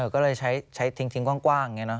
ก็เลยใช้ทิ้งกว้างอย่างนี้